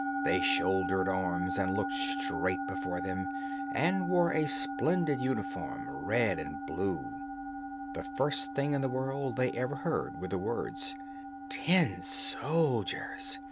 They shouldered arms and looked straight before them, and wore a splendid uniform, red and blue. The first thing in the world they ever heard were the words, "Tin soldiers!"